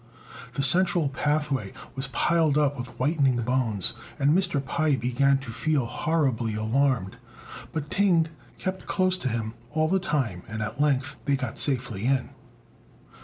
The central pathway was piled up with whitening bones, and Mr. Pai began to feel horribly alarmed but Ting kept close to him all the time, and at length they got safely in.